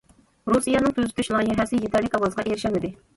رۇسىيەنىڭ تۈزىتىش لايىھەسى يېتەرلىك ئاۋازغا ئېرىشەلمىدى.